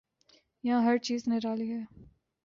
یہاں ہر چیز نرالی ہے۔